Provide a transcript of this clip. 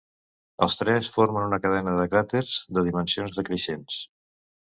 Els tres formen una cadena de cràters de dimensions decreixents.